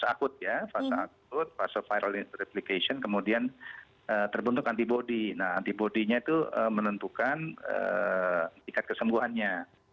fakut ya fase akut fase viral replication kemudian terbentuk antibody nah antibody nya itu menentukan tingkat kesembuhannya